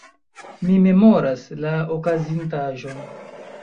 Mi memoras la okazintaĵon.